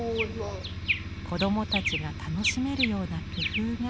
子どもたちが楽しめるような工夫が。